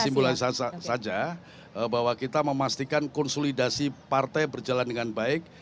simbolisasi saja bahwa kita memastikan konsolidasi partai berjalan dengan baik